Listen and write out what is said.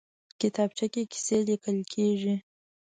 کتابچه کې قصې لیکل کېږي